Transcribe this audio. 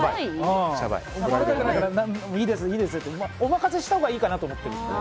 もういいです、いいですってお任せしたほうがいいかなって。